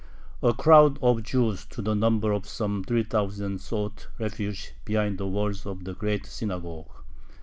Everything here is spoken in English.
A crowd of Jews to the number of some three thousand sought refuge behind the walls of the great synagogue.